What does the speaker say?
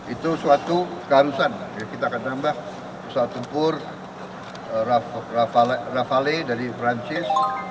itu suatu keharusan kita akan tambah pesawat tempur rafale dari perancis